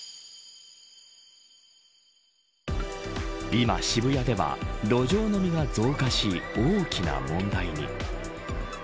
今、渋谷では路上飲みが増加し大きな問題に。